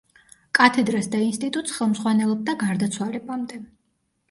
კათედრას და ინსტიტუტს ხელმძღვანელობდა გარდაცვალებამდე.